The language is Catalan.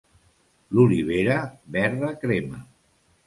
L'olivera verda crema.